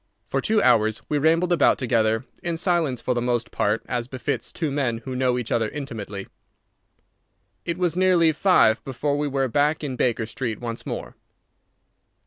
For two hours we rambled about together, in silence for the most part, as befits two men who know each other intimately. It was nearly five before we were back in Baker Street once more.